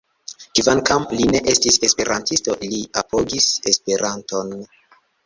Kvankam li ne estis esperantisto, li apogis Esperanton.